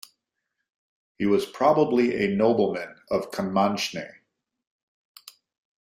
He was probably a nobleman of Canmaicne.